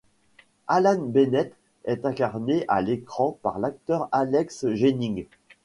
Alan Bennett est incarné à l'écran par l'acteur Alex Jennings.